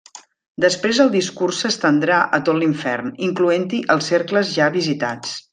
Després el discurs s'estendrà a tot l'Infern, incloent-hi els cercles ja visitats.